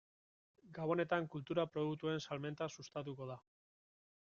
Gabonetan kultura produktuen salmenta sustatuko da.